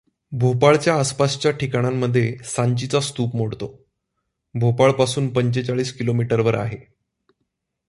भोपाळच्या आसपासच्या ठिकाणांमध्ये सांचीचा स्तूप मोडतो, भोपाळपासून पंचेचाळीस किलोमीटरवर आहे.